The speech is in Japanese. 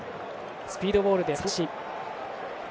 スピードボールで三振。